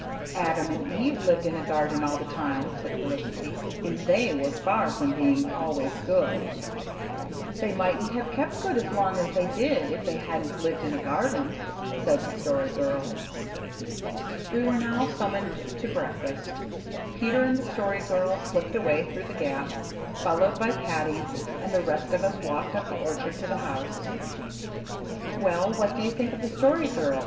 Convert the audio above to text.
"Adam and Eve lived in a garden all the time," said Felicity, "and THEY were far from being always good." "They mightn't have kept good as long as they did if they hadn't lived in a garden," said the Story Girl. We were now summoned to breakfast. Peter and the Story Girl slipped away through the gap, followed by Paddy, and the rest of us walked up the orchard to the house. "Well, what do you think of the Story Girl?"